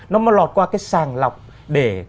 nó mà lọt qua cái sàng lọc để